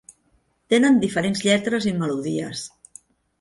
Tenen diferents lletres i melodies.